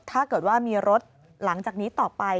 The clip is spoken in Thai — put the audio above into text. ถ้าเกิดว่ามีรถหลังจากนี้ต่อไป